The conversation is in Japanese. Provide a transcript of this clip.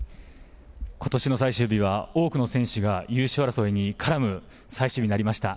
ことしの最終日は多くの選手が優勝争いに絡む最終日になりました。